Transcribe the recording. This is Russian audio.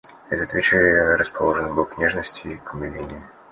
В этот вечер я расположен был к нежности и к умилению.